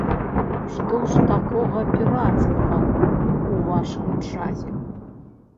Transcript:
Што ж такога пірацкага ў вашым джазе?